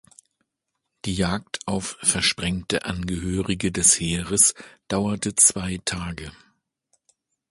Die Jagd auf versprengte Angehörige des Heeres dauerte zwei Tage.